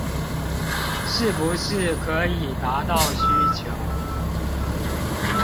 是不是可以達到需求